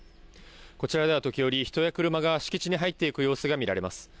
こちらでは時折、人や車が敷地に入っていく様子が見られます。